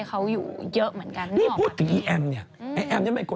เรายังปล่วยที่เปลี่ยนตัวเองไหม